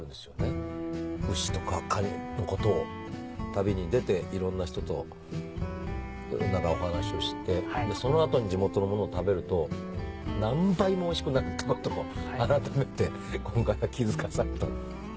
旅に出ていろんな人とお話をしてその後に地元のものを食べると何倍もおいしくなるっていうことを改めて今回は気付かされた。